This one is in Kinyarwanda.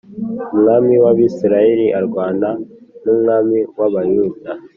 Umwami w Abisirayeli arwana n’umwami w Abayuda